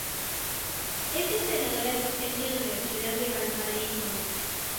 Es entrenador asistente en la Universidad de Valparaíso